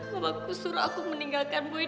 mamaku suruh aku meninggalkan boy